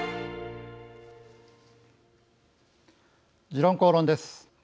「時論公論」です。